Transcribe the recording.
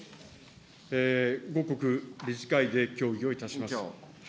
後刻、理事会で協議をいたします。